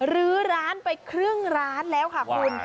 ลื้อร้านไปครึ่งร้านแล้วค่ะคุณ